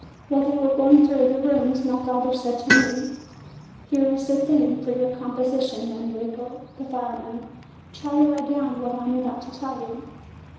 While they were going through the rooms, my father said to me, "Here is the theme for your composition, Enrico, the firemen. Try to write down what I am about to tell you.